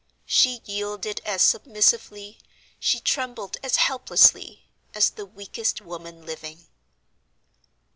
She yielded as submissively, she trembled as helplessly, as the weakest woman living.